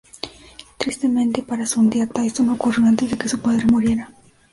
Tristemente para Sundiata, esto no ocurrió antes de que su padre muriera.